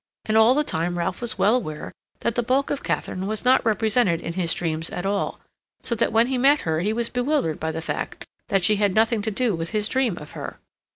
And all the time Ralph was well aware that the bulk of Katharine was not represented in his dreams at all, so that when he met her he was bewildered by the fact that she had nothing to do with his dream of her.